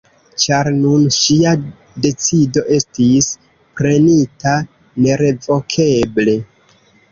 Ĉar nun ŝia decido estis prenita nerevokeble.